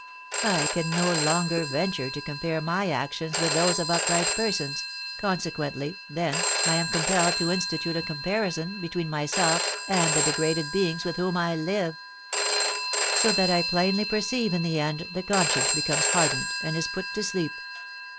I can no longer venture to compare my actions with those of upright persons, consequently, then, I am compelled to institute a comparison between myself and the degraded beings with whom I live; so that I plainly perceive in the end the conscience becomes hardened and is put to sleep.